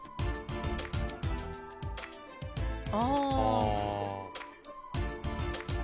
ああ。